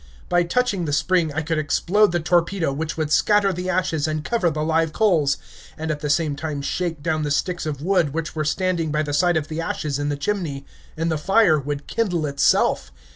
By touching the spring I could explode the torpedo, which would scatter the ashes and cover the live coals, and at the same time shake down the sticks of wood which were standing by the side of the ashes in the chimney, and the fire would kindle itself.